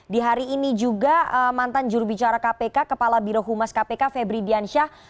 di hari ini juga mantan jurubicara kpk kepala birohumas kpk febri diansyah